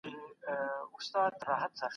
چي مي بدرنګ سړی منلی